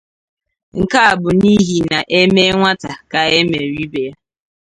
Nke a bụ n'ihi na e mee nwata ka e mere ibe ya